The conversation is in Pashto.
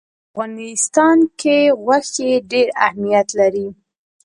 په افغانستان کې غوښې ډېر اهمیت لري.